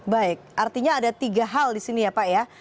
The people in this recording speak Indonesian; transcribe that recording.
baik artinya ada tiga hal di sini ya pak ya